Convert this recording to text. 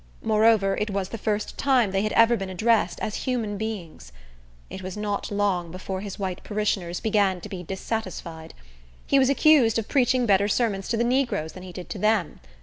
Moreover, it was the first time they had ever been addressed as human beings. It was not long before his white parishioners began to be dissatisfied. He was accused of preaching better sermons to the negroes than he did to them.